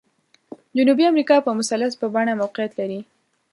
جنوبي امریکا په مثلث په بڼه موقعیت لري.